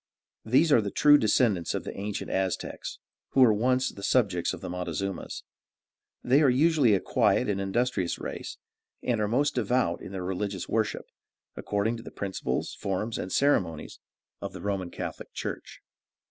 These are the true descendants of the ancient Aztecs, who were once the subjects of the Montezumas. They are usually a quiet and industrious race, and are most devout in their religious worship, according to the principles, forms, and ceremonies of the Roman Catholic Church.